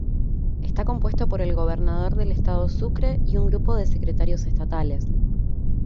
Está compuesto por el Gobernador del Estado Sucre y un grupo de Secretarios Estatales.